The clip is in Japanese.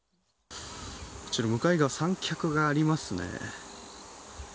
向かい側、三脚がありますね。